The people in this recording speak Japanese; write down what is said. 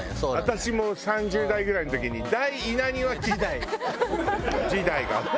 私も３０代ぐらいの時に大稲庭期時代があったの。